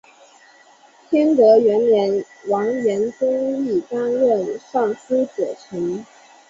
天德元年完颜宗义担任尚书左丞。